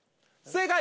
正解！